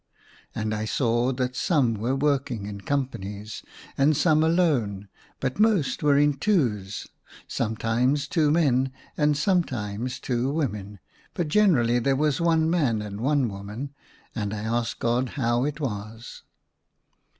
And I saw that some were working in companies, and some alone, but most were in twos, sometimes two men and sometimes two women ; but generally there was one man and one woman ; and I asked God how it was.